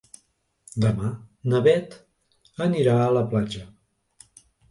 Demà na Bet anirà a la platja.